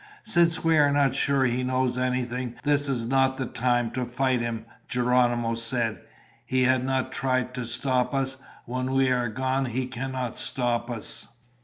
"Since we are not sure he knows anything, this is not the time to fight him," Geronimo said. "He has not tried to stop us. When we are gone, he cannot stop us."